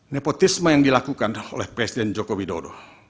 nepotisme yang dilakukan oleh presiden joko widodo